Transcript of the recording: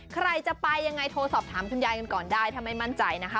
ใครจะไปยังไงโทรสอบถามคุณยายกันก่อนได้ถ้าไม่มั่นใจนะคะ